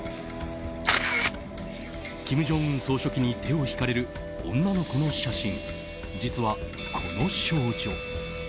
金正恩総書記に手を引かれる女の子の写真。